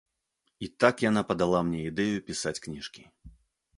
І так яна падала мне ідэю пісаць кніжкі.